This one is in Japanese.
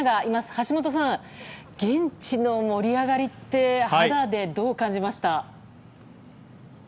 橋本さん、現地の盛り上がりって肌でどう感じました？